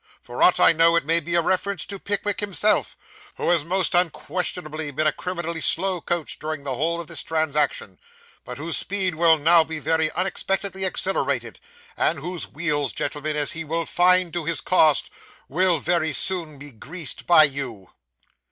For aught I know, it may be a reference to Pickwick himself, who has most unquestionably been a criminally slow coach during the whole of this transaction, but whose speed will now be very unexpectedly accelerated, and whose wheels, gentlemen, as he will find to his cost, will very soon be greased by you!